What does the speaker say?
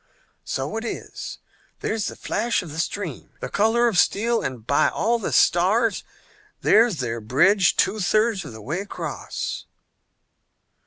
"So it is, there's the flash of the stream, the color of steel, and by all the stars, there's their bridge two thirds of the way across!"